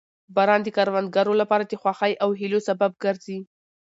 باران د کروندګرو لپاره د خوښۍ او هیلو سبب ګرځي